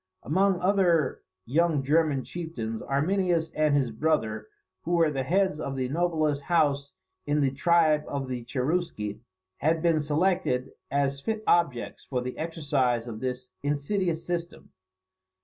Among other young German chieftains, Arminius and his brother, who were the heads of the noblest house in the tribe of the Cherusci, had been selected as fit objects for the exercise of this insidious system.